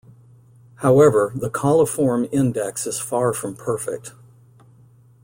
However, the coliform index is far from perfect.